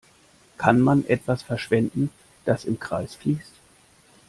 Kann man etwas verschwenden, das im Kreis fließt?